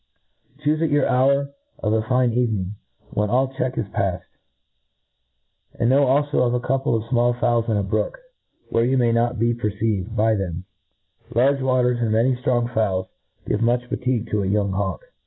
Chufc t^ A T R E A T I S E O F Chyfc that hour of a fine evening, when all check is pail; and know alfo of a couple of fmall fowls in a brook, where you may not be perceived by them.— Large waters, and many ftrong fowls, give much fatigue to a young hawk.